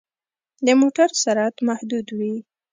د موټر سرعت محدود وي.